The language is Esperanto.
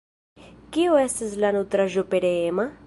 Kiu estas la nutraĵo pereema?